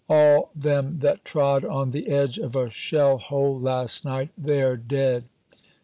All them that trod on the edge of a shell hole last night, they're dead.